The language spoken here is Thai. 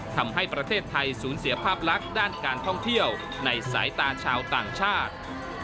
ทำให้ประเทศไทยสูญเสียภาพลักษณ์ด้านการท่องเที่ยวในสายตาชาวต่างชาติ